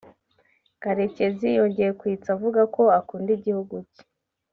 Karekezi yongeye kwitsa avuga ko akunda igihugu cye